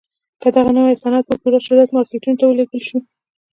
کله چې دغه نوي صنعت په پوره شدت مارکيټونو ته ولېږل شو.